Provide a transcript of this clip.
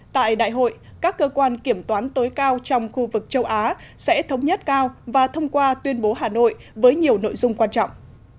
tại đại hội các cơ quan kiểm toán tối cao trong khu vực châu á sẽ thống nhất cao và thông qua tuyên bố hà nội với nhiều nội dung quan trọng